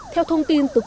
theo thông tin từ quốc gia